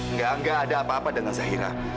nggak nggak ada apa apa dengan zahira